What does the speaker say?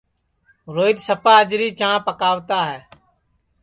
روہیت سپا اجری چاں پکاوتا ہے